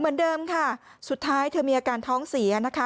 เหมือนเดิมค่ะสุดท้ายเธอมีอาการท้องเสียนะคะ